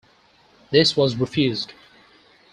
This was refused.